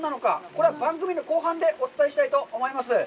これは番組の後半でお伝えしたいと思います。